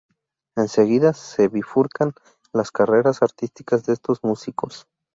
Enseguida se bifurcan las carreras artísticas de estos músicos.